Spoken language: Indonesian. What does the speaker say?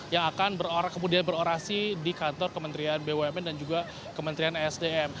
yang akan kemudian berorasi di kantor kementerian bumn dan juga kementerian sdm